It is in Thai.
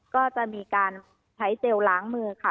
ก็จะมีการใช้เจลล้างมือค่ะ